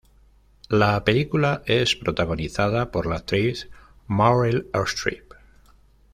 La película es protagonizada por la actriz Meryl Streep.